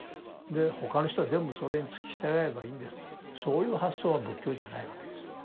で他の人は全部それに付き従えばいいんですとそういう発想は仏教じゃないわけです。